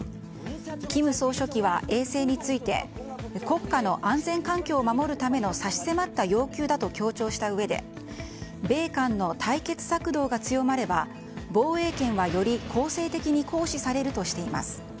金総書記は衛星について国家の安全環境を守るための差し迫った要求だと強調したうえで米韓の対決策動が強まれば防衛県はより攻勢的に行使されるとしています。